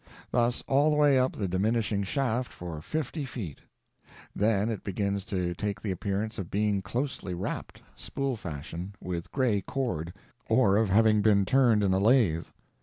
Thus all the way up the diminishing shaft for fifty feet; then it begins to take the appearance of being closely wrapped, spool fashion, with gray cord, or of having been turned in a lathe.